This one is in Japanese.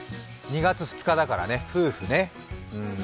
２月２日だからね、夫婦ね。